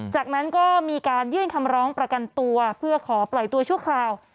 จากนั้นก็มีการยื่นคำร้องประกันตัวเพื่อขอปล่อยตัวชั่วคราว